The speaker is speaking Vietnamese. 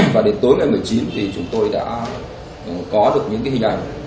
và đến tối ngày một mươi chín thì chúng tôi đã có được những hình ảnh